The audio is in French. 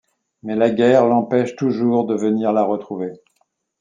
Mais la guerre l’empêche toujours de venir la retrouver.